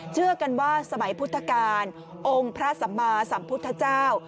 เชื่อกันว่าสมัยพุทธกาลองค์พระสัมมาสัมพุทธเจ้า